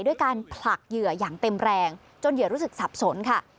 ด้วยการผลักเหยื่ออย่างเต็มแรงจนเหยื่อรู้สึกสับสนค่ะ